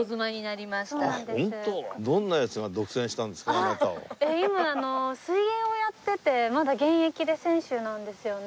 あっ今水泳をやっててまだ現役で選手なんですよね。